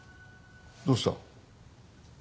どうした？